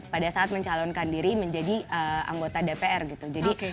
pada saat mencalonkan diri menjadi anggota dpr gitu